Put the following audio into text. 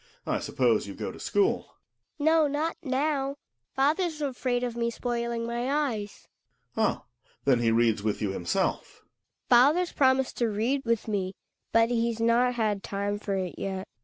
I suppose you go to school. Hedvig. No, not now; father's afraid of me spoiling my eyes. Gregers. Oh ! then he reads with you himself. Hedvig. Father's promised to read with me, but he's not had time for it yet.